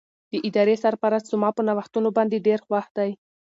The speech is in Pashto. د ادارې سرپرست زما په نوښتونو باندې ډېر خوښ دی.